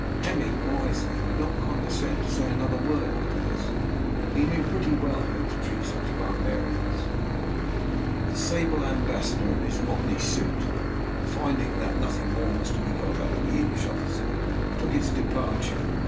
Hemming wisely would not condescend to say another word after this. He knew pretty well how to treat such barbarians. The sable ambassador and his motley suite, finding that nothing more was to be got out of the English officer, took his departure.